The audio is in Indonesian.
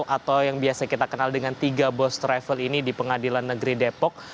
atau yang biasa kita kenal dengan tiga bos travel ini di pengadilan negeri depok